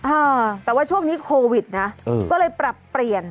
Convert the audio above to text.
อ่าแต่ว่าช่วงนี้โควิดนะเออก็เลยปรับเปลี่ยน